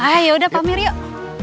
ay yaudah pak amir yuk